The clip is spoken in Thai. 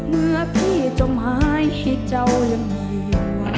เมื่อพี่จมหายให้เจ้ายังมีอยู่